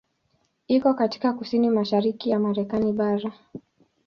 Iko katika kusini mashariki ya Marekani bara.